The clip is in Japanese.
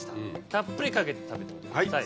たっぷりかけて食べてください。